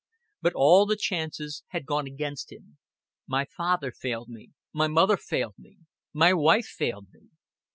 But all the chances had gone against him. "My father failed me, my mother failed me, my wife failed me."